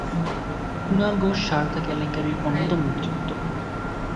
কুনাল ঘোষ সারদা কেলেঙ্কারির অন্যতম অভিযুক্ত।